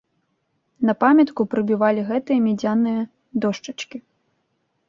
На памятку прыбівалі гэтыя мядзяныя дошчачкі.